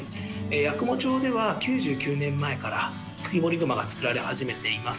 八雲町では９９年前から、木彫り熊が作られ始めています。